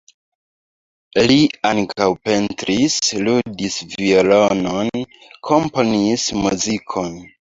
Li ankaŭ pentris, ludis violonon, komponis muzikon.